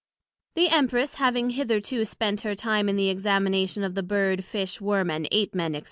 The Empress having hitherto spent her time in the Examination of the Bird Fish Worm and Ape men, &c.